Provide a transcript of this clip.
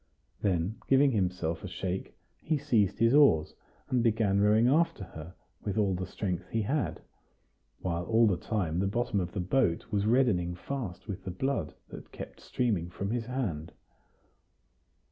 Then, giving himself a shake, he seized his oars, and began rowing after her with all the strength he had, while all the time the bottom of the boat was reddening fast with the blood that kept streaming from his hand.